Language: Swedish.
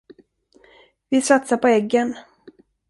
Vi satsar på äggen.